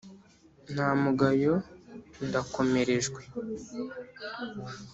nta mugayo ndakomerejwe